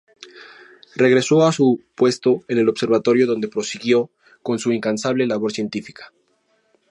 Regresó a su puesto en el Observatorio donde prosiguió con su incansable labor científica.